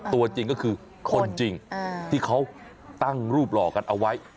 ตัวจริงก็คือคนจริงที่เขาตั้งรูปหล่อกันเอาไว้